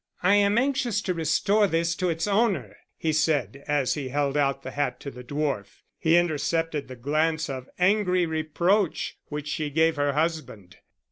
"I am anxious to restore this to its owner," he said, as he held out the hat to the dwarf. He intercepted the glance of angry reproach which she gave her husband.